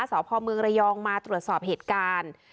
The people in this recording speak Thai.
สพเมืองระยองมาตรวจสอบเหตุการณ์